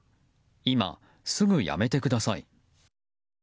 今、すぐ辞めてください。